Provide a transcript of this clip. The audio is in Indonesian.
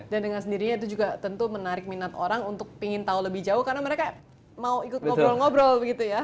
dan dengan sendirinya itu juga tentu menarik minat orang untuk pingin tahu lebih jauh karena mereka mau ikut ngobrol ngobrol gitu ya